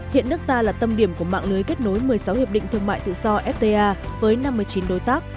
hiện nước ta là tâm điểm của mạng lưới kết nối một mươi sáu hiệp định thương mại tự do fta với năm mươi chín đối tác